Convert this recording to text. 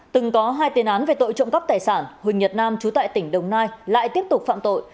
từng có hai tiền án về tội trộm cắp tài sản huỳnh nhật nam trú tại tỉnh đồng nai lại tiếp tục phạm tội